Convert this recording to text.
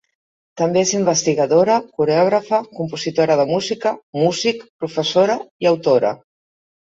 També és investigadora, coreògrafa, compositora de música, músic, professora i autora.